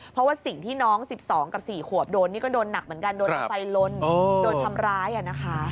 เพราะว่าสิ่งที่น้อง๑๒กับ๔ขวบโดนนี่ก็โดนหนักเหมือนกันโดนไฟลนโดนทำร้ายนะคะ